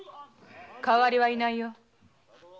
代わりはいないよ。